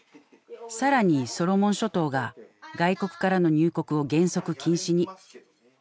さらにソロモン諸島が外国からの入国を原則禁止に。